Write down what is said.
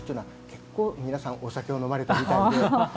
結構皆さんお酒を飲まれたみたいで。